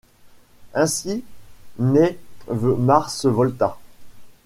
Ainsi naît The Mars Volta.